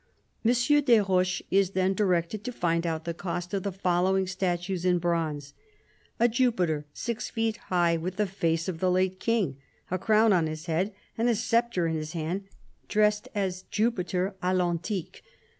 M. des Roches is then directed to find out the cost of " the following statues, in bronze ": "A Jupiter six feet high, with the face of the late King, a crown on his head and a sceptre in his hand, dressed as Jupiter a V antique.